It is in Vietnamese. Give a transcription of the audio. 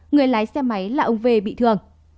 người lái xe máy là ông vê bị thương